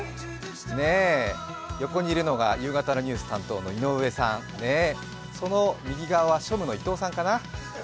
ねぇ、横にいるのが夕方のニュース担当の井上さん、その右側は庶務のいとうさんかな。